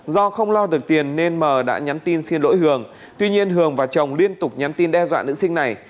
do không lo được tiền nên m đã nhắn tin xin lỗi hường tuy nhiên hường và chồng liên tục nhắn tin đe dọa nữ sinh này